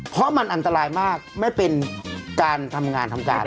เพราะมันอันตรายมากไม่เป็นการทำงานทำการ